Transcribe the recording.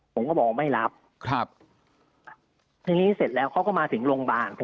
ผมก็บอกว่าไม่รับครับทีนี้เสร็จแล้วเขาก็มาถึงโรงพยาบาล